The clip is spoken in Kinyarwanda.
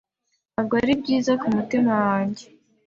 Ntabwo ari byiza kumutima wanjye.